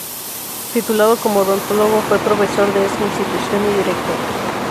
Titulado como odontólogo, fue profesor de esa institución y director.